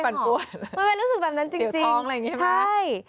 มันเป็นรู้สึกแบบนั้นจริงใช่